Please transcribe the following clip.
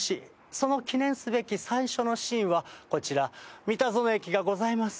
その記念すべき最初のシーンはこちら、美田園駅がございます